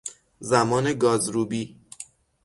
زمان گازروبی